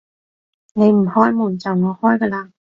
你唔開門，就我開㗎喇